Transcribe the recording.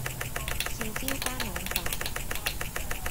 豉椒斑腩飯